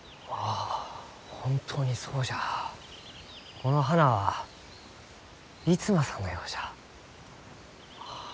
この花は逸馬さんのようじゃ。